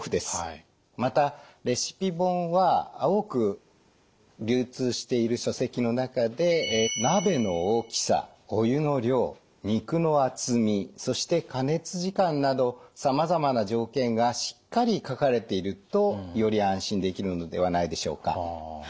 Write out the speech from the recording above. またレシピ本は多く流通している書籍の中で鍋の大きさお湯の量肉の厚みそして加熱時間などさまざまな条件がしっかり書かれているとより安心できるのではないでしょうか。